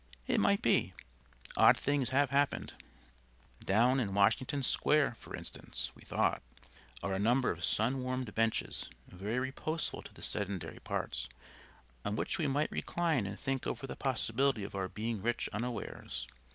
It might be. Odd things have happened. Down in Washington Square, for instance (we thought), are a number of sun warmed benches, very reposeful to the sedentary parts, on which we might recline and think over the possibility of our being rich unawares.